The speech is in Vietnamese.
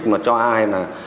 mà cho ai